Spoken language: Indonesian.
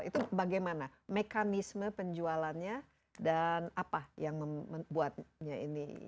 itu bagaimana mekanisme penjualannya dan apa yang membuatnya ini